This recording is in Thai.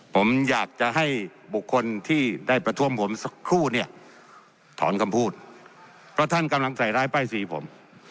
ผมอยากจะให้บุคคลที่ได้ประท้วงผมสักครู่เนี่ยถอนคำพูดเพราะท่านกำลังใส่ร้ายป้ายสีผม